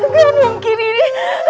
gak mungkin ini